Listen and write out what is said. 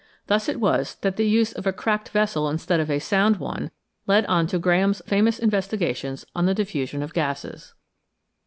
Thus it was that the use of a cracked vessel instead of a sound one led on to Graham's famous investigations on the diffusion of gases.